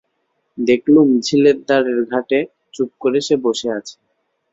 দেখলুম ঝিলের ধারে ঘাটে চুপ করে সে বসে আছে।